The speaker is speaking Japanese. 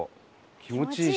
気持ちいいし。